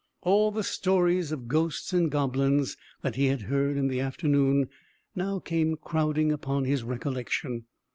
All the stories of ghosts and goblins that he had heard in the afternoon now came crowding upon his recollection.